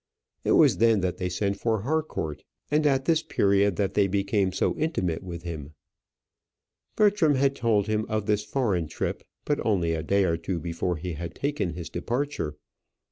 It was then that they sent for Harcourt, and at this period that they became so intimate with him. Bertram had told him of this foreign trip, but only a day or two before he had taken his departure.